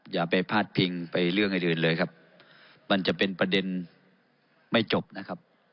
อย่าไปพาดพิงไปเรื่องอื่นเลยครับมันจะเป็นประเด็นไม่จบนะครับ